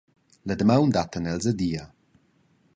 La damaun dattan els adia.